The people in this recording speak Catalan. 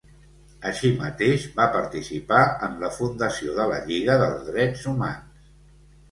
Així mateix, va participar en la fundació de la Lliga dels Drets humans.